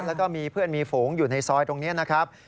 แล้วก็มีเพื่อนมีฝูงอยู่ในซอยตรงนี้นะครับ